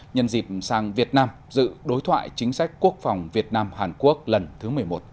nhân dịp sang việt nam dự đối thoại chính sách quốc phòng việt nam hàn quốc lần thứ một mươi một